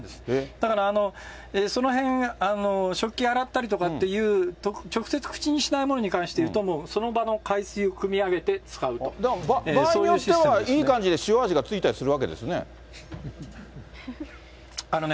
だから、そのへん、食器洗ったりとかという、直接口にしないものに関していうと、もう、その場の海水をくみ上場合によっては、いい感じで塩味がついたりするわけですね。